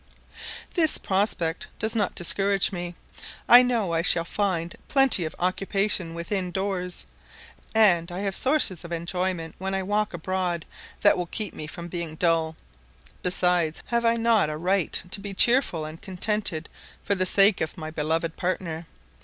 This prospect does not discourage me: I know I shall find plenty of occupation within doors, and I have sources of enjoyment when I walk abroad that will keep me from being dull. Besides, have I not a right to be cheerful and contented for the sake of my beloved partner?